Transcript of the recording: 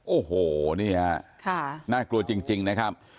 โอ้โหนี่ฮะน่ากลัวจริงนะครับ